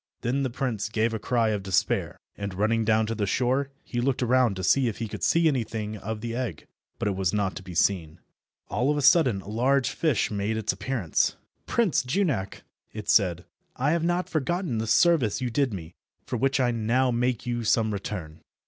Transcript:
Then the prince gave a cry of despair, and, running down to the shore, he looked around to see if he could see anything of the egg, but it was not to be seen. All of a sudden a large fish made its appearance. "Prince Junak," it said, "I have not forgotten the service you did me, for which I now make you some return."